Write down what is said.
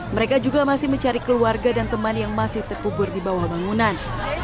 mereka juga masih mencari keluarga dan teman yang masih terkubur di bawah bangunan